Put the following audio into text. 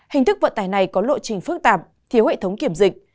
hình thức vận tải này có lộ trình phức tạp thiếu hệ thống kiểm dịch